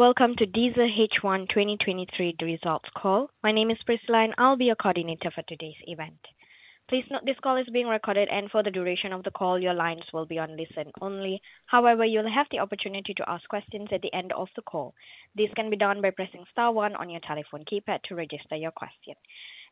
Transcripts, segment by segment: Good day, and welcome to Deezer H1 2023 Results Call. My name is Priscilla, and I'll be your coordinator for today's event. Please note, this call is being recorded, and for the duration of the call, your lines will be on listen-only. However, you'll have the opportunity to ask questions at the end of the call. This can be done by pressing star one on your telephone keypad to register your question.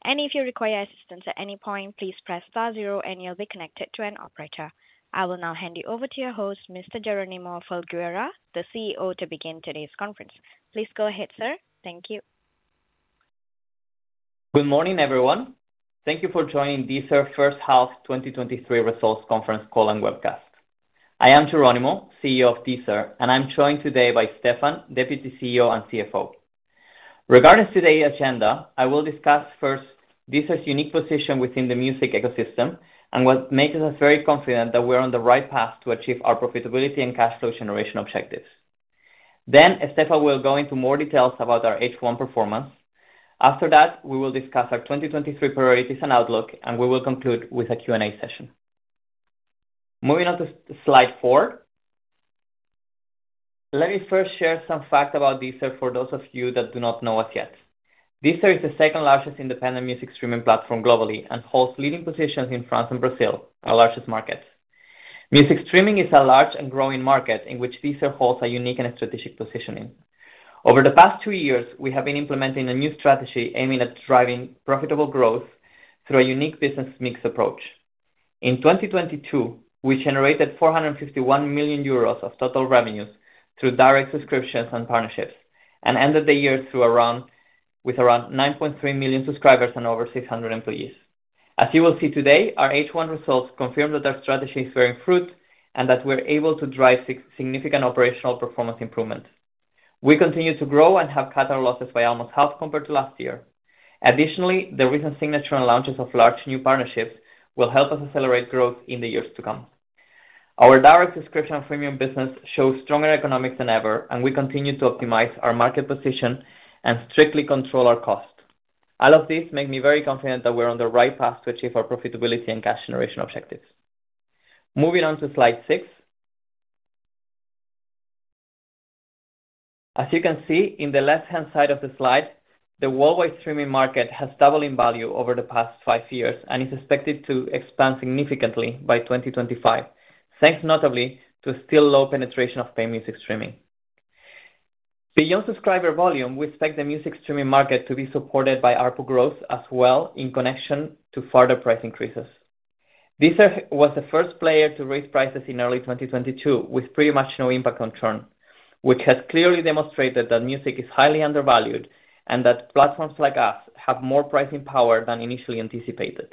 And if you require assistance at any point, please press star zero, and you'll be connected to an operator. I will now hand you over to your host, Mr. Jeronimo Folgueira, the CEO, to begin today's conference. Please go ahead, sir. Thank you. Good morning, everyone. Thank you for joining Deezer H1 2023 Results Conference Call and Webcast. I am Jeronimo, CEO of Deezer. I'm joined today by Stéphane, Deputy CEO and CFO. Regarding today's agenda, I will discuss first, Deezer's unique position within the music ecosystem and what makes us very confident that we're on the right path to achieve our profitability and cash flow generation objectives. Stéphane will go into more details about our H1 performance. After that, we will discuss our 2023 priorities and outlook. We will conclude with a Q&A session. Moving on to slide four. Let me first share some facts about Deezer for those of you that do not know us yet. Deezer is the second largest independent music streaming platform globally and holds leading positions in France and Brazil, our largest markets. Music streaming is a large and growing market in which Deezer holds a unique and strategic positioning. Over the past two years, we have been implementing a new strategy aiming at driving profitable growth through a unique business mix approach. In 2022, we generated 451 million euros of total revenues through direct subscriptions and partnerships, and ended the year with around 9.3 million subscribers and over 600 employees. As you will see today, our H1 results confirm that our strategy is bearing fruit and that we're able to drive significant operational performance improvement. We continue to grow and have cut our losses by almost half compared to last year. Additionally, the recent signature and launches of large new partnerships will help us accelerate growth in the years to come. Our direct subscription and freemium business shows stronger economics than ever, and we continue to optimize our market position and strictly control our costs. All of this make me very confident that we're on the right path to achieve our profitability and cash generation objectives. Moving on to slide six. As you can see in the left-hand side of the slide, the worldwide streaming market has doubled in value over the past five years and is expected to expand significantly by 2025, thanks notably to still low penetration of paid music streaming. Beyond subscriber volume, we expect the music streaming market to be supported by ARPU growth as well in connection to further price increases. Deezer was the first player to raise prices in early 2022, with pretty much no impact on churn, which has clearly demonstrated that music is highly undervalued and that platforms like us have more pricing power than initially anticipated.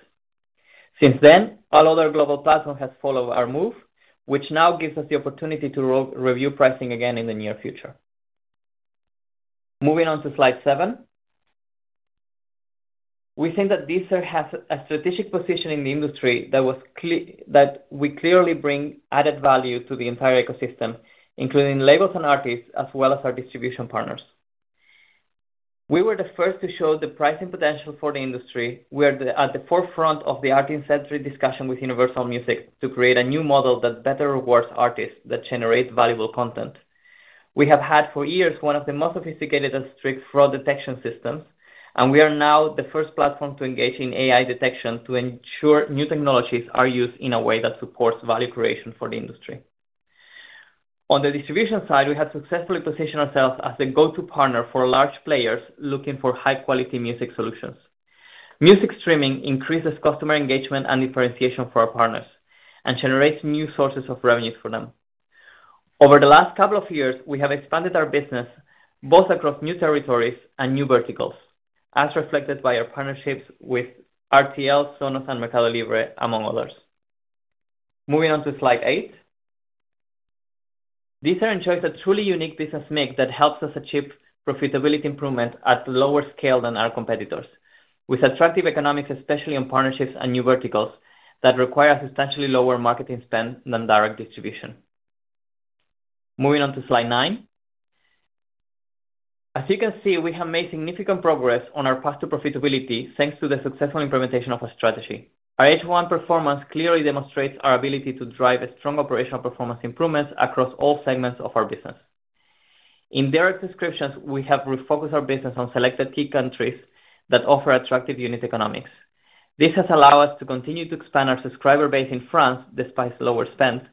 Since then, all other global platforms have followed our move, which now gives us the opportunity to review pricing again in the near future. Moving on to slide seven. We think that Deezer has a strategic position in the industry that we clearly bring added value to the entire ecosystem, including labels and artists, as well as our distribution partners. We were the first to show the pricing potential for the industry. We're at the forefront of the artist-centric discussion with Universal Music to create a new model that better rewards artists that generate valuable content. We have had for years one of the most sophisticated and strict fraud detection systems, and we are now the first platform to engage in AI detection to ensure new technologies are used in a way that supports value creation for the industry. On the distribution side, we have successfully positioned ourselves as the go-to partner for large players looking for high-quality music solutions. Music streaming increases customer engagement and differentiation for our partners and generates new sources of revenues for them. Over the last couple of years, we have expanded our business both across new territories and new verticals, as reflected by our partnerships with RTL, Sonos, and Mercado Libre, among others. Moving on to slide eight. Deezer enjoys a truly unique business mix that helps us achieve profitability improvement at lower scale than our competitors, with attractive economics, especially on partnerships and new verticals, that require a substantially lower marketing spend than direct distribution. Moving on to slide nine. As you can see, we have made significant progress on our path to profitability, thanks to the successful implementation of our strategy. Our H1 performance clearly demonstrates our ability to drive a strong operational performance improvement across all segments of our business. In direct subscriptions, we have refocused our business on selected key countries that offer attractive unit economics. This has allowed us to continue to expand our subscriber base in France, despite lower spend,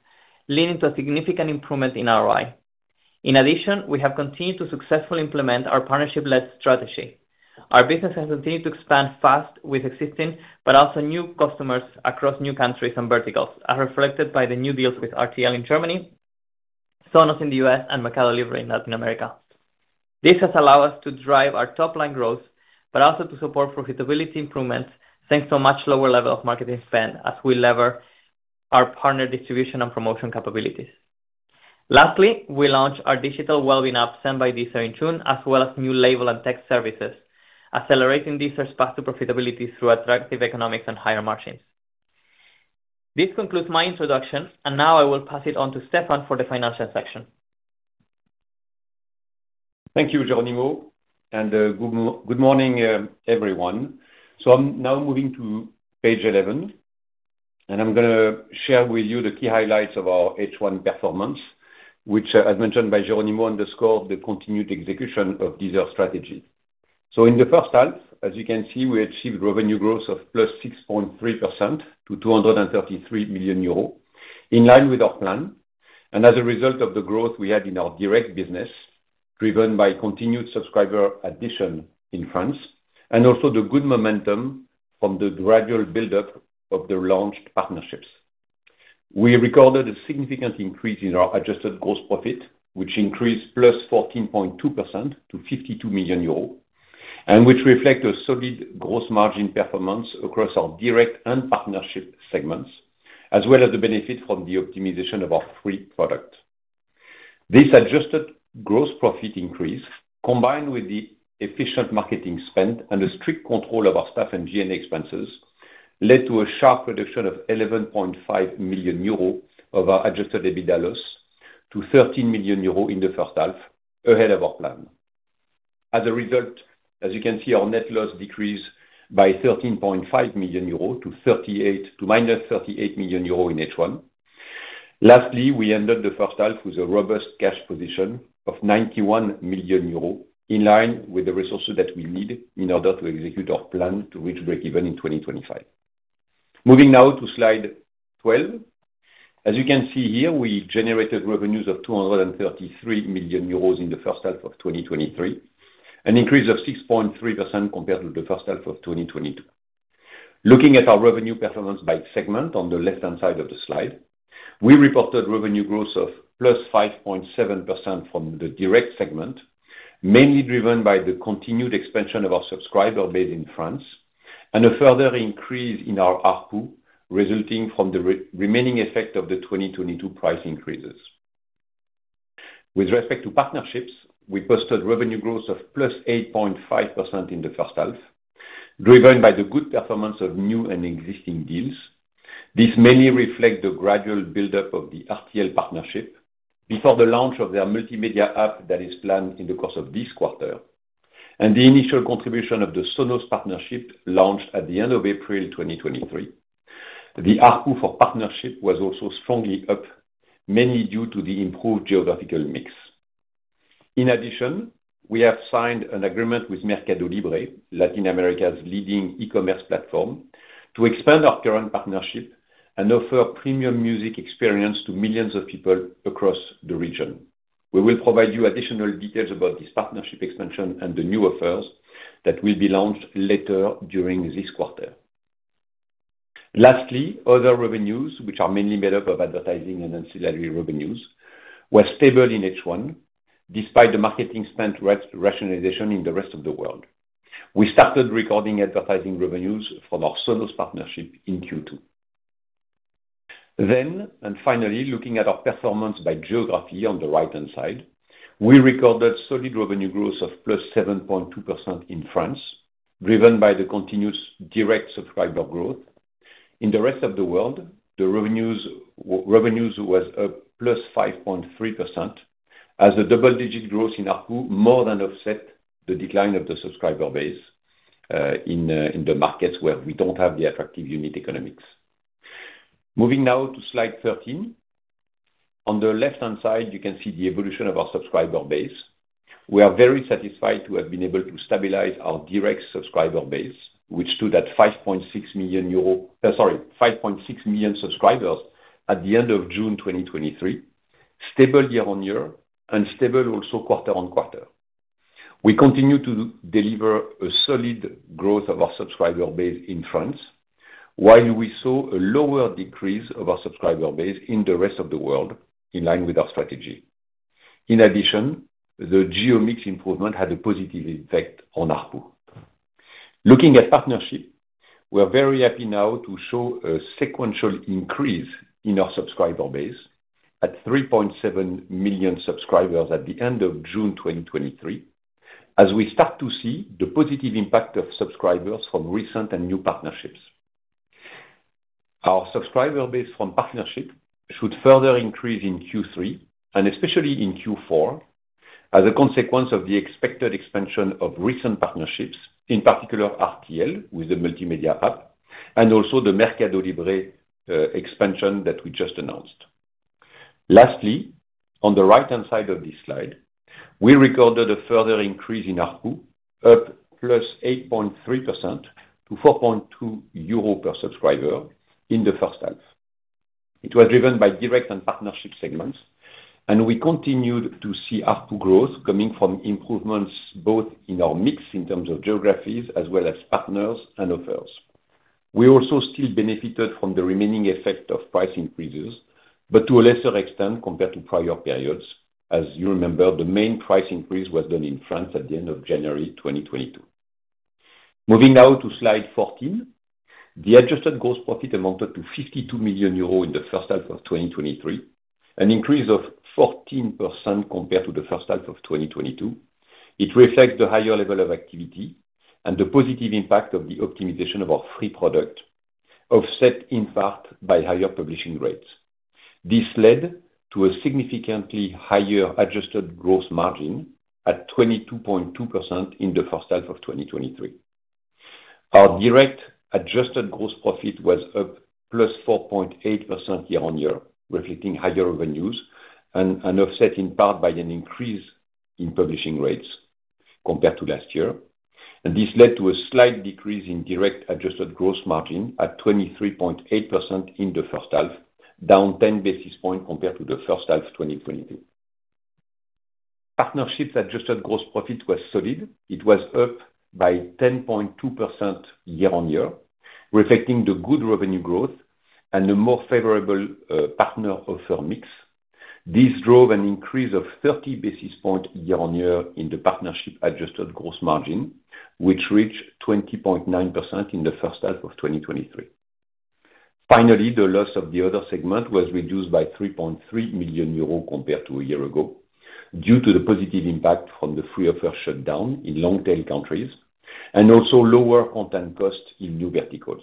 leading to a significant improvement in ROI. In addition, we have continued to successfully implement our partnership-led strategy. Our business has continued to expand fast with existing, also new customers across new countries and verticals, as reflected by the new deals with RTL in Germany, Sonos in the U.S., and Mercado Libre in Latin America. This has allowed us to drive our top-line growth, also to support profitability improvements, thanks to a much lower level of marketing spend as we lever our partner distribution and promotion capabilities. Lastly, we launched our digital wellbeing app, Zen by Deezer in June, as well as new label and tech services, accelerating Deezer's path to profitability through attractive economics and higher margins. This concludes my introduction, now I will pass it on to Stéphane for the financial section. Thank you, Jeronimo, and good morning, everyone. I'm now moving to page 11. I’m gonna share with you the key highlights of our H1 performance, which, as mentioned by Jeronimo, underscore the continued execution of Deezer strategy. In the first half, as you can see, we achieved revenue growth of +6.3% to 233 million euros, in line with our plan. As a result of the growth we had in our direct business, driven by continued subscriber addition in France, also the good momentum from the gradual buildup of the launched partnerships. We recorded a significant increase in our adjusted gross profit, which increased +14.2% to 52 million euros, which reflect a solid gross margin performance across our direct and partnership segments, as well as the benefit from the optimization of our free product. This adjusted gross profit increase, combined with the efficient marketing spend and a strict control of our staff and G&A expenses, led to a sharp reduction of 11.5 million euro of our adjusted EBITDA loss to 13 million euro in H1, ahead of our plan. As a result, as you can see, our net loss decreased by 13.5 million euros to -38 million euros in H1. Lastly, we ended H1 with a robust cash position of 91 million euros, in line with the resources that we need in order to execute our plan to reach break-even in 2025. Moving now to Slide 12. As you can see here, we generated revenues of 233 million euros in H1 2023, an increase of 6.3% compared to H1 2022. Looking at our revenue performance by segment on the left-hand side of the slide, we reported revenue growth of +5.7% from the direct segment, mainly driven by the continued expansion of our subscriber base in France, and a further increase in our ARPU, resulting from the remaining effect of the 2022 price increases. With respect to partnerships, we posted revenue growth of +8.5% in H1, driven by the good performance of new and existing deals. This mainly reflect the gradual buildup of the RTL partnership before the launch of their multimedia app that is planned in the course of this quarter, and the initial contribution of the Sonos partnership launched at the end of April 2023. The ARPU for partnership was also strongly up, mainly due to the improved geographical mix. We have signed an agreement with Mercado Libre, Latin America's leading e-commerce platform, to expand our current partnership and offer premium music experience to millions of people across the region. We will provide you additional details about this partnership expansion and the new offers that will be launched later during this quarter. Other revenues, which are mainly made up of advertising and ancillary revenues, were stable in H1, despite the marketing spend rationalization in the rest of the world. We started recording advertising revenues from our Sonos partnership in Q2. Looking at our performance by geography on the right-hand side, we recorded solid revenue growth of +7.2% in France, driven by the continuous direct subscriber growth. In the rest of the world, the revenues, revenues was +5.3%, as the double-digit growth in ARPU more than offset the decline of the subscriber base in the markets where we don't have the attractive unit economics. Moving now to Slide 13. On the left-hand side, you can see the evolution of our subscriber base. We are very satisfied to have been able to stabilize our direct subscriber base, which stood at 5.6 million subscribers at the end of June 2023, stable year-on-year and stable also quarter-on-quarter. We continue to deliver a solid growth of our subscriber base in France, while we saw a lower decrease of our subscriber base in the rest of the world, in line with our strategy. In addition, the geo-mix improvement had a positive effect on ARPU. Looking at partnership, we are very happy now to show a sequential increase in our subscriber base at 3.7 million subscribers at the end of June 2023, as we start to see the positive impact of subscribers from recent and new partnerships. Our subscriber base from partnership should further increase in Q3, and especially in Q4, as a consequence of the expected expansion of recent partnerships, in particular, RTL, with the multimedia app, and also the Mercado Libre expansion that we just announced. Lastly, on the right-hand side of this slide, we recorded a further increase in ARPU, up +8.3% to 4.2 euro per subscriber in the first half. It was driven by direct and partnership segments, and we continued to see ARPU growth coming from improvements both in our mix, in terms of geographies, as well as partners and offers. We also still benefited from the remaining effect of price increases, but to a lesser extent compared to prior periods. As you remember, the main price increase was done in France at the end of January 2022. Moving now to Slide 14. The adjusted gross profit amounted to 52 million euro in H1 2023, an increase of 14% compared to H1 2022. It reflects the higher level of activity and the positive impact of the optimization of our free product, offset in part by higher publishing rates. This led to a significantly higher adjusted gross margin at 22.2% in H1 2023. Our direct adjusted gross profit was up +4.8% year-on-year, reflecting higher revenues and offset in part by an increase in publishing rates compared to last year. This led to a slight decrease in direct adjusted gross margin at 23.8% in H1, down 10 basis points compared to H1 2022. Partnerships adjusted gross profit was solid. It was up by 10.2% year-on-year, reflecting the good revenue growth and a more favorable partner offer mix. This drove an increase of 30 basis points year-on-year in the partnership adjusted gross margin, which reached 20.9% in the first half of 2023. Finally, the loss of the other segment was reduced by 3.3 million euros compared to a year ago, due to the positive impact from the free offer shutdown in long-tail countries, and also lower content costs in new verticals.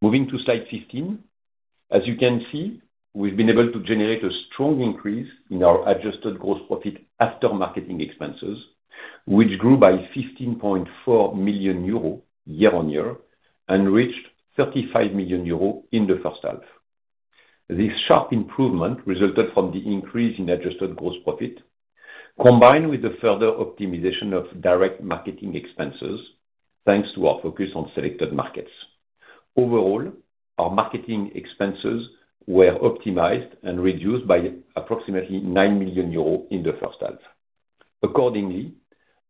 Moving to slide 15, as you can see, we've been able to generate a strong increase in our adjusted gross profit after marketing expenses, which grew by 15.4 million euro year-on-year and reached 35 million euro in the first half. This sharp improvement resulted from the increase in adjusted gross profit, combined with the further optimization of direct marketing expenses, thanks to our focus on selected markets. Overall, our marketing expenses were optimized and reduced by approximately 9 million euros in the first half. Accordingly,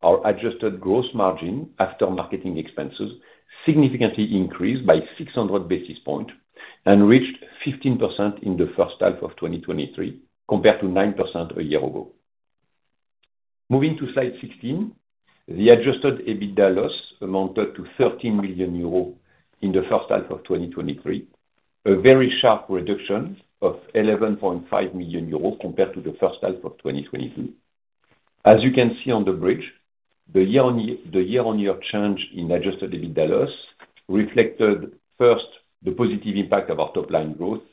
our adjusted gross margin after marketing expenses significantly increased by 600 basis points and reached 15% in the first half of 2023, compared to 9% a year ago. Moving to slide 16, the adjusted EBITDA loss amounted to 13 million euros in the first half of 2023, a very sharp reduction of 11.5 million euros compared to the first half of 2022. As you can see on the bridge, the year-over-year change in adjusted EBITDA loss reflected first, the positive impact of our top line growth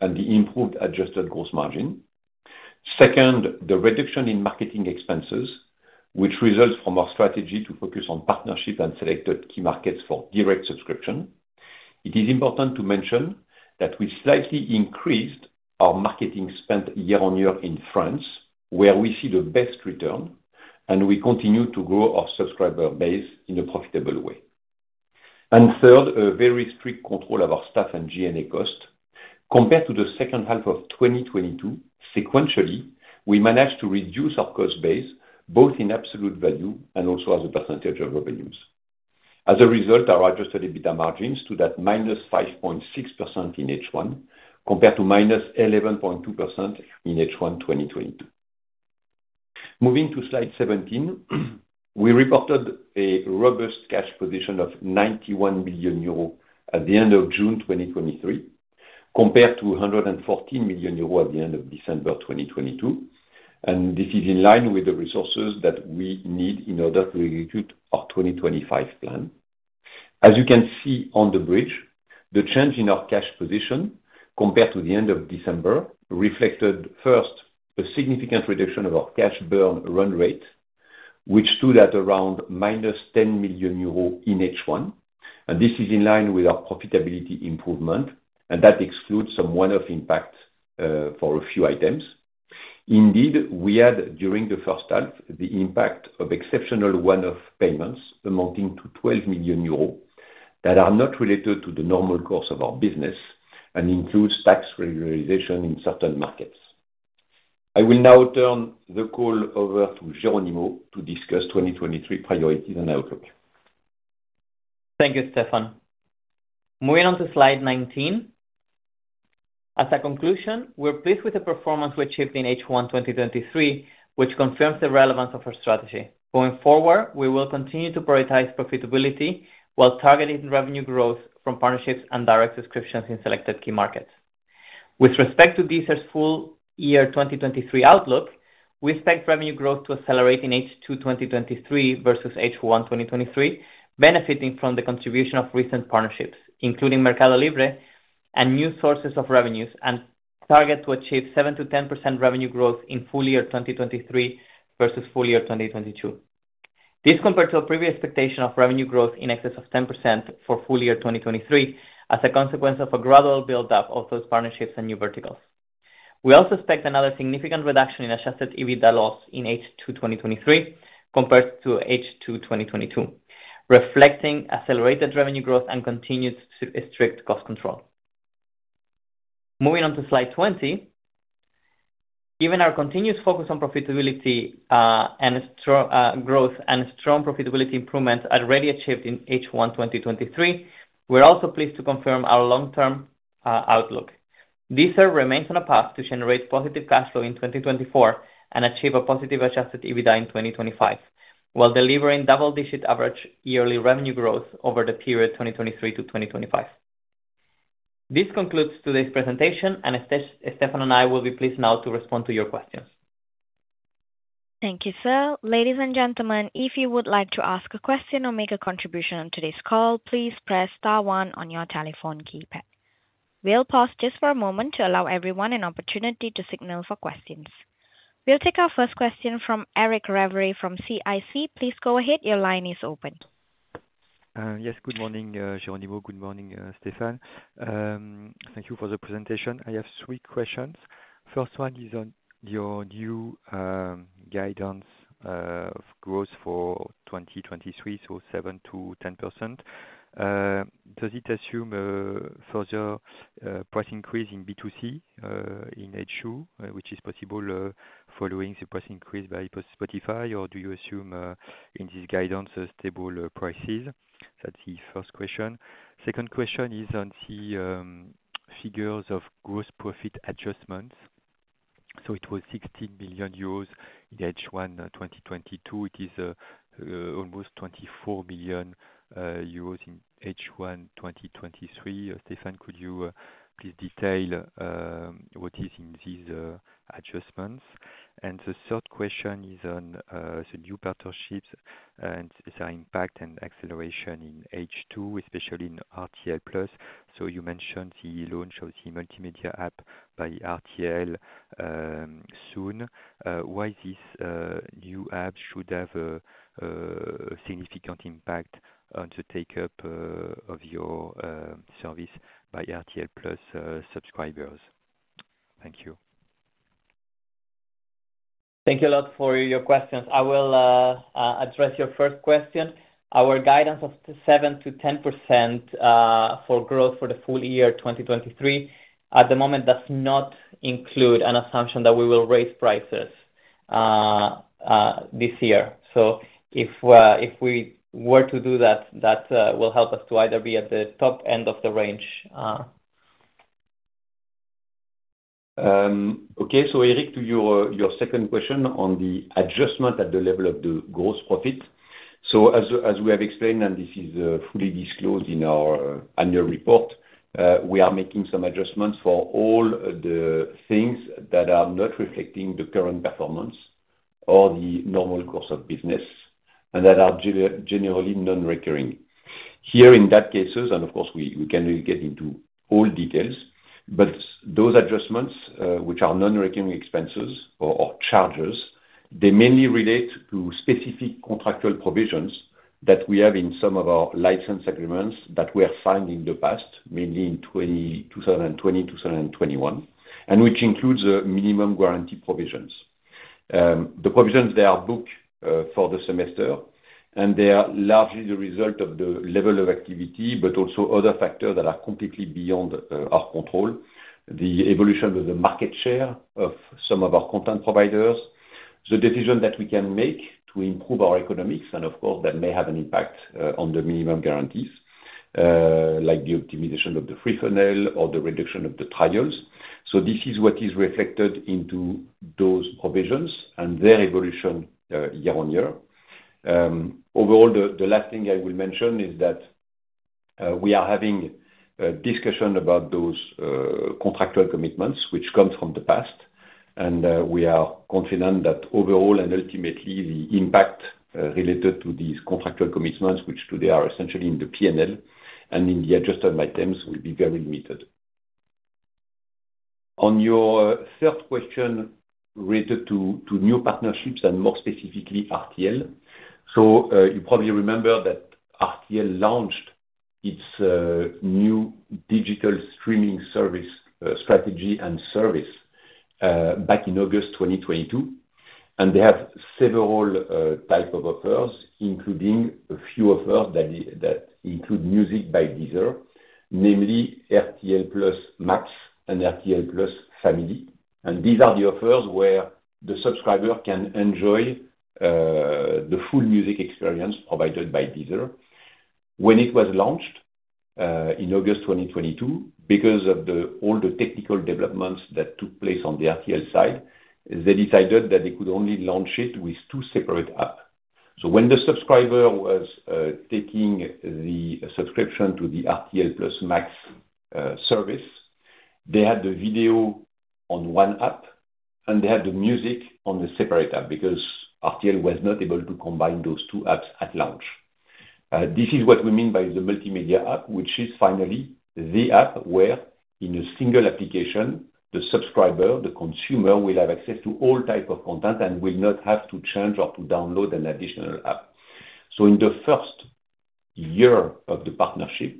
and the improved adjusted gross margin. Second, the reduction in marketing expenses, which results from our strategy to focus on partnership and selected key markets for direct subscription. It is important to mention that we slightly increased our marketing spend year-on-year in France, where we see the best return, and we continue to grow our subscriber base in a profitable way. Third, a very strict control of our staff and G&A costs. Compared to the second half of 2022, sequentially, we managed to reduce our cost base, both in absolute value and also as a percentage of revenues. As a result, our adjusted EBITDA margins stood at -5.6% in H1, compared to -11.2% in H1 2022. Moving to slide 17, we reported a robust cash position of 91 million euro at the end of June 2023, compared to 114 million euro at the end of December 2022. This is in line with the resources that we need in order to execute our 2025 plan. As you can see on the bridge, the change in our cash position compared to the end of December, reflected first, a significant reduction of our cash burn run rate, which stood at around -10 million euros in H1. This is in line with our profitability improvement, and that excludes some one-off impact for a few items. Indeed, we had, during the first half, the impact of exceptional one-off payments amounting to 12 million euros, that are not related to the normal course of our business and includes tax regularization in certain markets. I will now turn the call over to Jeronimo to discuss 2023 priorities and outlook. Thank you, Stéphane. Moving on to slide 19. As a conclusion, we're pleased with the performance we achieved in H1 2023, which confirms the relevance of our strategy. Going forward, we will continue to prioritize profitability while targeting revenue growth from partnerships and direct subscriptions in selected key markets. With respect to Deezer's full year 2023 outlook, we expect revenue growth to accelerate in H2 2023 versus H1 2023, benefiting from the contribution of recent partnerships, including Mercado Libre and new sources of revenues, and target to achieve 7%-10% revenue growth in full year 2023 versus full year 2022. This compares to a previous expectation of revenue growth in excess of 10% for full year 2023, as a consequence of a gradual build-up of those partnerships and new verticals. We also expect another significant reduction in adjusted EBITDA loss in H2 2023 compared to H2 2022, reflecting accelerated revenue growth and continued strict cost control. Moving on to slide 20. Given our continuous focus on profitability, and strong growth and strong profitability improvement already achieved in H1 2023, we're also pleased to confirm our long-term outlook. Deezer remains on a path to generate positive cash flow in 2024 and achieve a positive adjusted EBITDA in 2025, while delivering double-digit average yearly revenue growth over the period 2023–2025. This concludes today's presentation. Stéphane and I will be pleased now to respond to your questions. Thank you, sir. Ladies and gentlemen, if you would like to ask a question or make a contribution on today's call, please press star one on your telephone keypad. We'll pause just for a moment to allow everyone an opportunity to signal for questions. We'll take our first question from Eric Ravary from CIC. Please go ahead. Your line is open. Yes, good morning, Jeronimo. Good morning, Stéphane. Thank you for the presentation. I have three questions. First one is on your new guidance of growth for 2023, so 7%-10%. Does it assume further price increase in B2C in H2, which is possible, following the price increase by Spotify? Or do you assume in this guidance, stable prices? That's the first question. Second question is on the figures of gross profit adjustments. It was 60 million euros in H1 2022. It is almost 24 million euros in H1 2023. Stéphane, could you please detail what is in these adjustments? The third question is on the new partnerships and its impact and acceleration in H2, especially in RTL+. You mentioned the launch of the multimedia app by RTL soon. Why this new app should have a significant impact on the takeup of your service by RTL+ subscribers? Thank you. Thank you a lot for your questions. I will address your first question. Our guidance of 7%-10% for growth for the full year 2023, at the moment, does not include an assumption that we will raise prices this year. If we were to do that, that will help us to either be at the top end of the range. Okay, Eric, to your, your second question on the adjustment at the level of the gross profit. As we have explained, and this is fully disclosed in our annual report, we are making some adjustments for all the things that are not reflecting the current performance or the normal course of business, and that are generally non-recurring. Here in that cases, and of course, we can get into all details, but those adjustments, which are non-recurring expenses or charges, they mainly relate to specific contractual provisions that we have in some of our license agreements that we have signed in the past, mainly in 2020, 2021, and which includes the Minimum Guarantee provisions. The provisions, they are booked for the semester, and they are largely the result of the level of activity, but also other factors that are completely beyond our control. The evolution of the market share of some of our content providers, the decision that we can make to improve our economics, and of course, that may have an impact on the minimum guarantees, like the optimization of the free funnel or the reduction of the trials. This is what is reflected into those provisions and their evolution year-on-year. Overall, the, the last thing I will mention is that we are having a discussion about those contractual commitments, which comes from the past, and we are confident that overall and ultimately, the impact related to these contractual commitments, which today are essentially in the P&L and in the adjusted items, will be very limited. On your third question related to, to new partnerships and more specifically, RTL. You probably remember that RTL launched its new digital streaming service strategy and service back in August 2022, and they have several type of offers, including a few offers that include music by Deezer, namely RTL+ Max and RTL+ Family. These are the offers where the subscriber can enjoy the full music experience provided by Deezer. When it was launched in August 2022, because of all the technical developments that took place on the RTL side, they decided that they could only launch it with two separate app. When the subscriber was taking the subscription to the RTL+ Max service, they had the video on one app, and they had the music on a separate app, because RTL was not able to combine those two apps at launch. This is what we mean by the multimedia app, which is finally the app where, in a single application, the subscriber, the consumer, will have access to all type of content and will not have to change or to download an additional app. In the first year of the partnership,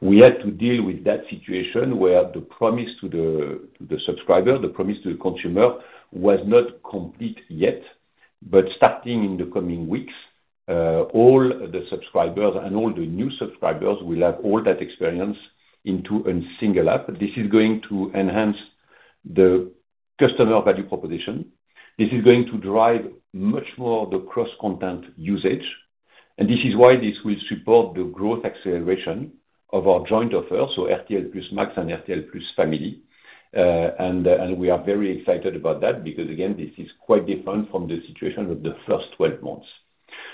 we had to deal with that situation where the promise to the subscriber, the promise to the consumer, was not complete yet, but starting in the coming weeks, all the subscribers and all the new subscribers will have all that experience into a single app. This is going to enhance the customer value proposition. This is going to drive much more the cross-content usage, and this is why this will support the growth acceleration of our joint offer, so RTL+ Max and RTL+ Family. And, and we are very excited about that, because, again, this is quite different from the situation of the first 12 months.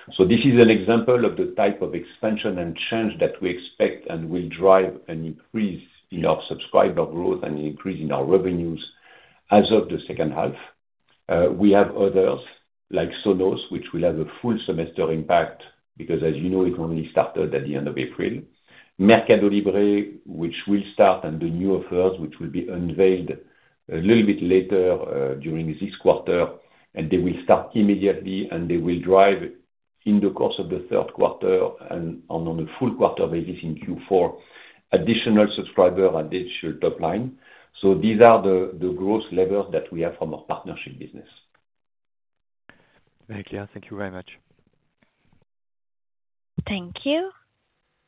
This is an example of the type of expansion and change that we expect and will drive an increase in our subscriber growth and increase in our revenues as of the second half. We have others, like Sonos, which will have a full semester impact, because as you know, it only started at the end of April. Mercado Libre, which will start, and the new offers, which will be unveiled a little bit later, during this quarter, and they will start immediately, and they will drive in the course of the third quarter and on, on a full quarter basis in Q4, additional subscriber, and it should top line. These are the, the growth levels that we have from our partnership business. Thank you. Thank you very much. Thank you.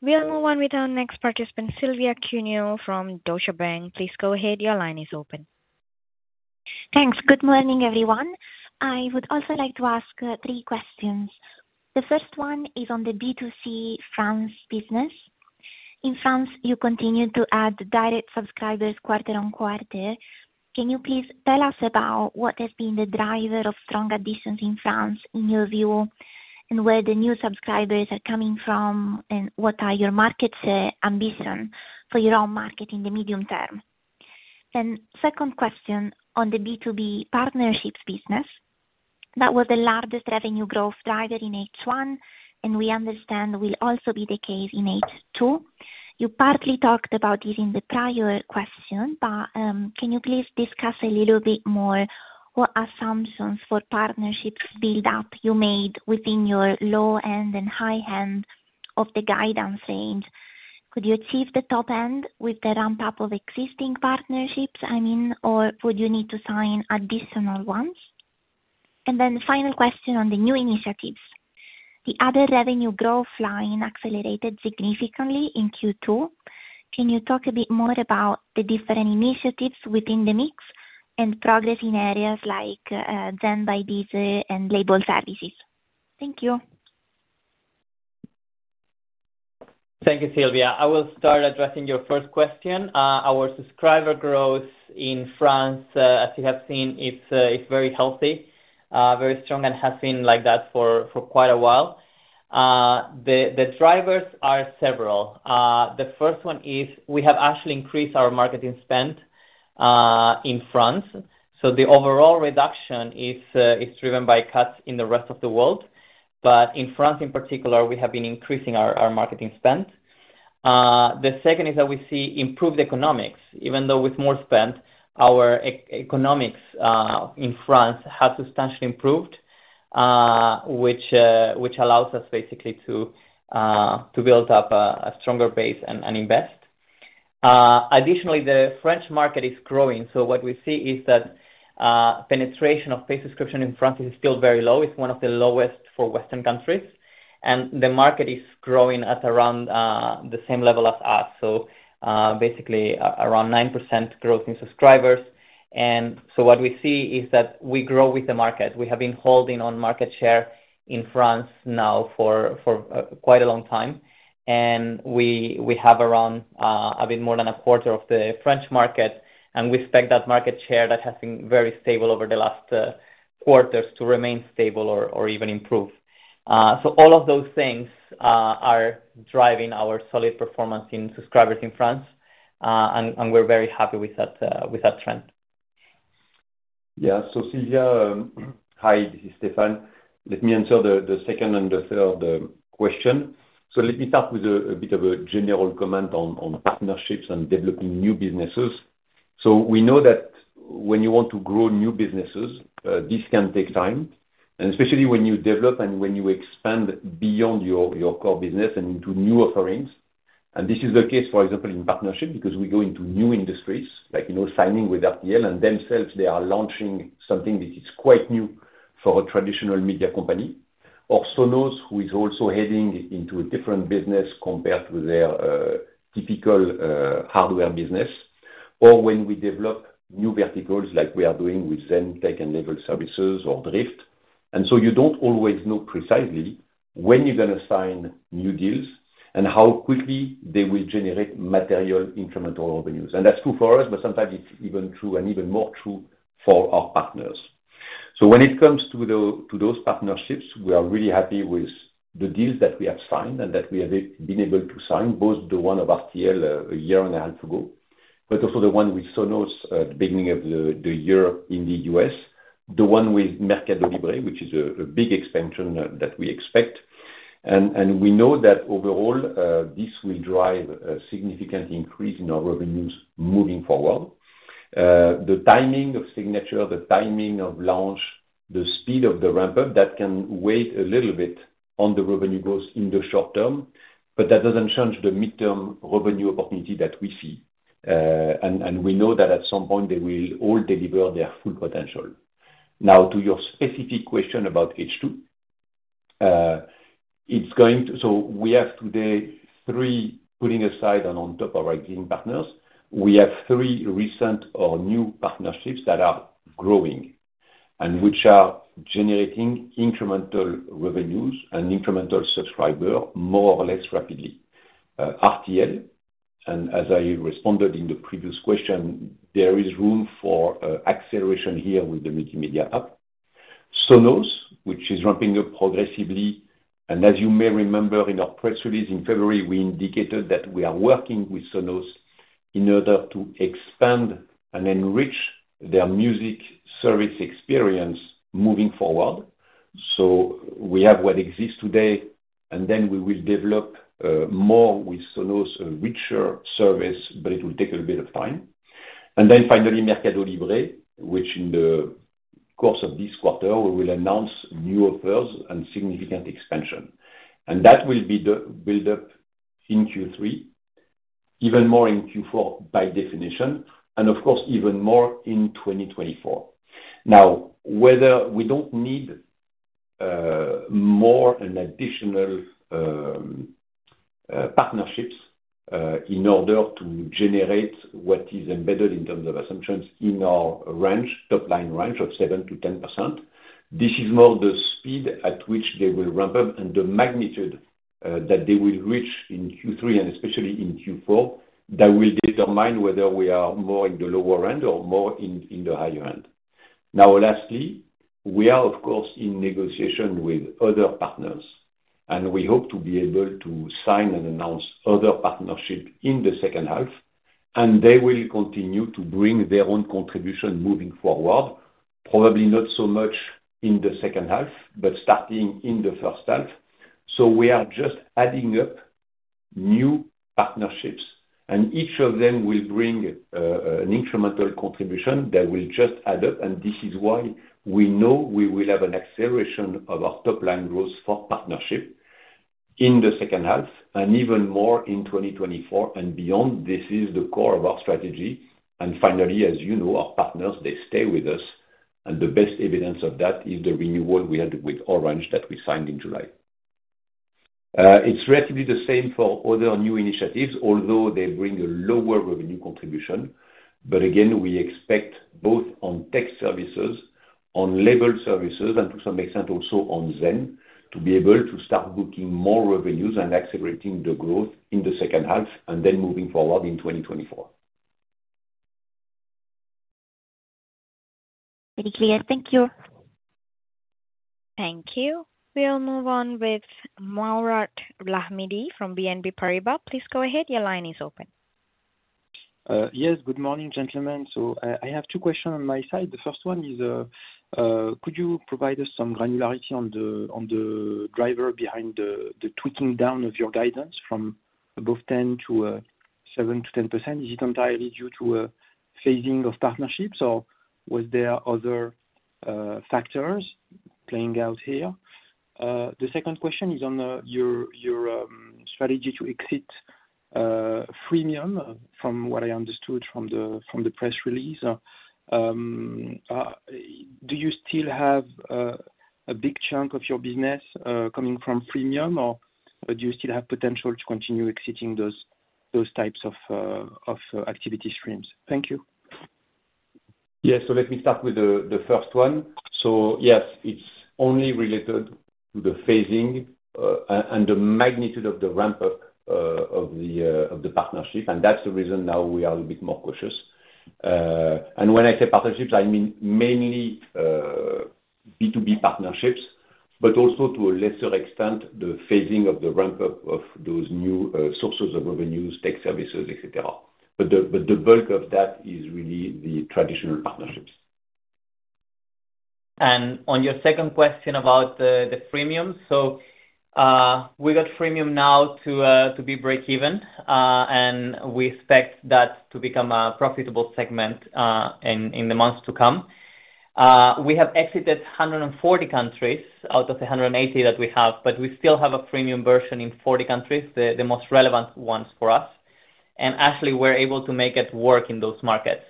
We'll move on with our next participant, Silvia Cuneo from Deutsche Bank. Please go ahead. Your line is open. Thanks. Good morning, everyone. I would also like to ask three questions. The first one is on the B2C France business. In France, you continue to add direct subscribers, quarter-on-quarter. Can you please tell us about what has been the driver of strong additions in France, in your view, and where the new subscribers are coming from, and what are your markets ambition for your own market in the medium term? Second question on the B2B partnerships business. That was the largest revenue growth driver in H1, and we understand will also be the case in H2. You partly talked about this in the prior question, can you please discuss a little bit more what assumptions for partnerships build-up you made within your low end and high end of the guidance range? Could you achieve the top end with the ramp-up of existing partnerships, I mean, or would you need to sign additional ones? Then the final question on the new initiatives. The other revenue growth line accelerated significantly in Q2. Can you talk a bit more about the different initiatives within the mix and progress in areas like, Zen by Deezer and label services? Thank you. Thank you, Silvia. I will start addressing your first question. Our subscriber growth in France, as you have seen, it's very healthy, very strong, and has been like that for quite a while. The drivers are several. The first one is we have actually increased our marketing spend in France. The overall reduction is driven by cuts in the rest of the world. In France, in particular, we have been increasing our marketing spend. The second is that we see improved economics, even though with more spend, our economics in France have substantially improved, which allows us basically to build up a stronger base and invest. Additionally, the French market is growing, what we see is that penetration of paid subscription in France is still very low. It's one of the lowest for Western countries, the market is growing at around the same level as us. Basically around 9% growth in subscribers. What we see is that we grow with the market. We have been holding on market share in France now for quite a long time, we have around a bit more than a quarter of the French market, we expect that market share that has been very stable over the last quarters to remain stable or even improve. All of those things are driving our solid performance in subscribers in France, and we're very happy with that, with that trend. Yeah. Silvia, hi, this is Stéphane. Let me answer the, the second and the third question. Let me start with a bit of a general comment on partnerships and developing new businesses. We know that when you want to grow new businesses, this can take time, and especially when you develop and when you expand beyond your core business and into new offerings. This is the case, for example, in partnership, because we go into new industries, like, you know, signing with RTL. Themselves, they are launching something that is quite new for a traditional media company, or Sonos, who is also heading into a different business compared to their typical hardware business, or when we develop new verticals like we are doing with Zen tech and label services or Driift. You don't always know precisely when you're going to sign new deals and how quickly they will generate material, incremental revenues. That's true for us, but sometimes it's even true and even more true for our partners. When it comes to the—to those partnerships, we are really happy with the deals that we have signed and that we have been able to sign, both the one of RTL a year and a half ago, but also the one with Sonos at the beginning of the year in the U.S,, the one with Mercado Libre, which is a, a big expansion that we expect. We know that overall, this will drive a significant increase in our revenues moving forward. The timing of signature, the timing of launch, the speed of the ramp-up, that can wait a little bit on the revenue goes in the short term, but that doesn't change the midterm revenue opportunity that we see. And we know that at some point they will all deliver their full potential. Now, to your specific question about H2, it's going to—we have today, three, putting aside and on top of our clean partners, we have three recent or new partnerships that are growing and which are generating incremental revenues and incremental subscriber more or less rapidly. RTL, and as I responded in the previous question, there is room for acceleration here with the multimedia app. Sonos, which is ramping up progressively, as you may remember, in our press release in February, we indicated that we are working with Sonos in order to expand and enrich their music service experience moving forward. We have what exists today, and then we will develop more with Sonos, a richer service, but it will take a bit of time. Then finally Mercado Libre, which in the course of this quarter, we will announce new offers and significant expansion. That will be the build-up in Q3, even more in Q4, by definition, and of course, even more in 2024. Now, whether—we don't need more and additional partnerships in order to generate what is embedded in terms of assumptions in our range, top-line range of 7%-10%. This is more the speed at which they will ramp up and the magnitude that they will reach in Q3 and especially in Q4, that will determine whether we are more in the lower end or more in the higher end. Now, lastly, we are, of course, in negotiation with other partners, and we hope to be able to sign and announce other partnership in the second half, and they will continue to bring their own contribution moving forward. Probably not so much in the second half, but starting in the first half. We are just adding up new partnerships, and each of them will bring an incremental contribution that will just add up, and this is why we know we will have an acceleration of our top line growth for partnership in the second half and even more in 2024 and beyond. This is the core of our strategy. Finally, as you know, our partners, they stay with us, and the best evidence of that is the renewal we had with Orange, that we signed in July. It's relatively the same for other new initiatives, although they bring a lower revenue contribution. Again, we expect both on tech services, on label services, and to some extent, also on Zen, to be able to start booking more revenues and accelerating the growth in the second half and then moving forward in 2024. Very clear. Thank you. Thank you. We'll move on with Mourad Lahmidi from BNP Paribas. Please go ahead. Your line is open. Yes, good morning, gentlemen. I have two questions on my side. The first one is, could you provide us some granularity on the driver behind the tweaking down of your guidance from above 10% to 7%-10%? Is it entirely due to phasing of partnerships, or was there other factors playing out here? The second question is on your strategy to exit freemium, from what I understood from the press release. Do you still have a big chunk of your business coming from freemium, or do you still have potential to continue exiting those types of activity streams? Thank you. Yes. Let me start with the, the first one. Yes, it's only related to the phasing, and the magnitude of the ramp up of the of the partnership, and that's the reason now we are a bit more cautious. And when I say partnerships, I mean mainly B2B partnerships, but also to a lesser extent, the phasing of the ramp up of those new sources of revenues, tech services, et cetera. The—but the bulk of that is really the traditional partnerships. On your second question about the freemium, we got freemium now to be breakeven, and we expect that to become a profitable segment in the months to come. We have exited 140 countries out of the 180 that we have, but we still have a freemium version in 40 countries, the most relevant ones for us. Actually, we're able to make it work in those markets.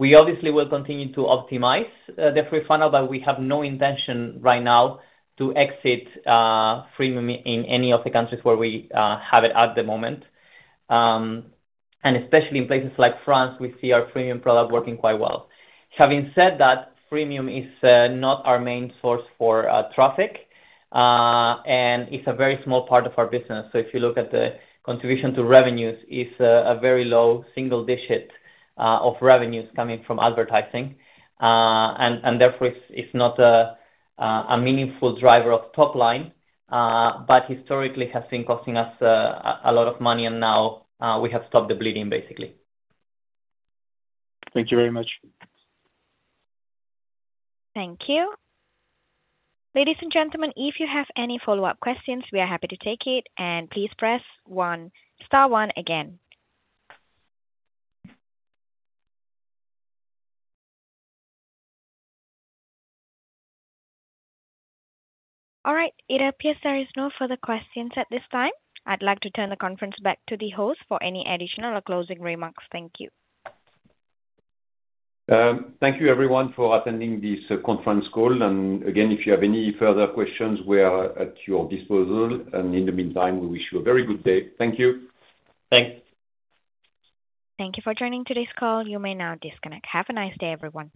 We obviously will continue to optimize the free funnel, but we have no intention right now to exit freemium in any of the countries where we have it at the moment. Especially in places like France, we see our freemium product working quite well. Having said that, freemium is not our main source for traffic, and it's a very small part of our business. If you look at the contribution to revenues, it's a very low single digit of revenues coming from advertising. Therefore, it's not a meaningful driver of top line, but historically has been costing us a lot of money, and now we have stopped the bleeding, basically. Thank you very much. Thank you. Ladies and gentlemen, if you have any follow-up questions, we are happy to take it, and please press star one again. All right, it appears there is no further questions at this time. I'd like to turn the conference back to the host for any additional or closing remarks. Thank you. Thank you everyone for attending this conference call. Again, if you have any further questions, we are at your disposal, and in the meantime, we wish you a very good day. Thank you. Thanks. Thank you for joining today's call. You may now disconnect. Have a nice day, everyone.